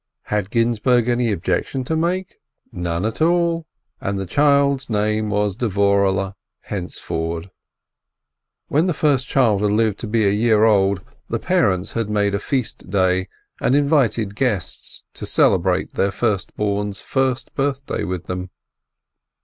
Had Ginzburg any objection to make? None at all, and the child's name was Dvorehle henceforward. When the first child had lived to be a year old, the parents had made a feast day, and invited guests to celebrate their first born's first birthday with them.